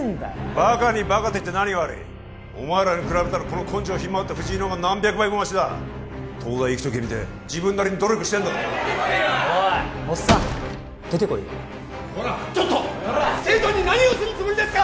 バカにバカと言って何が悪いお前らに比べたらこの根性ひん曲がった藤井の方が何百倍もマシだ東大行くと決めて自分なりに努力してるんだからな・おいおっさん出てこいよちょっと生徒に何をするつもりですか！